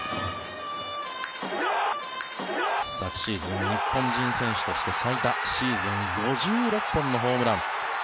昨シーズン日本人選手として最多シーズン５６本のホームラン。